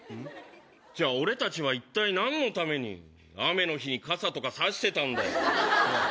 じゃあ、俺たちは一体なんのために、雨の日に傘とか差してたんだよ。